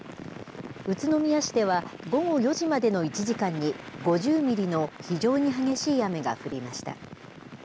宇都宮市では午後４時までの１時間に、５０ミリの非常に激しい雨が降りました。